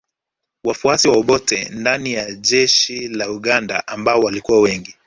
Wafuasi wa Obote ndani ya jeshi la Uganda ambao walikuwa wengi